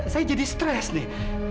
saya jadi stres nih